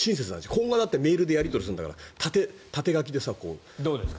今後はメールでやり取りするんだからどうですか？